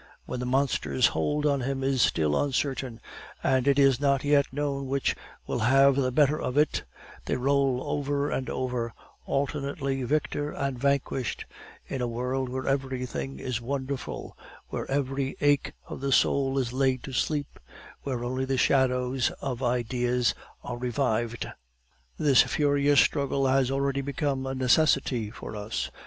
When the monster's hold on him is still uncertain, and it is not yet known which will have the better of it, they roll over and over, alternately victor and vanquished, in a world where everything is wonderful, where every ache of the soul is laid to sleep, where only the shadows of ideas are revived. "This furious struggle has already become a necessity for us.